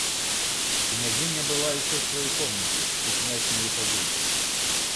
Княгиня была еще в своей комнате, и князь не выходил.